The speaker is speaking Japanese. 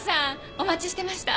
お待ちしてました。